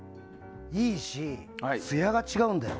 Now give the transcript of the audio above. いいし、つやが違うんだよ。